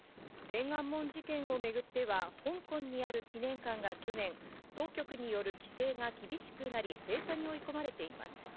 天安門事件をめぐっては、香港にある記念館が去年、当局による規制が厳しくなり、閉鎖に追い込まれています。